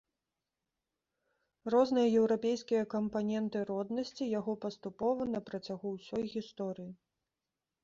Розныя еўрапейскія кампаненты роднасці яго паступова на працягу ўсёй гісторыі.